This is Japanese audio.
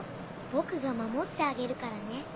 僕が守ってあげるからね。